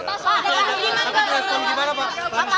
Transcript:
pak paloh sebenarnya mengatakan bergabung dengan pemerintah bukan pria rikmat